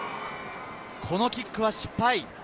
このキックは失敗。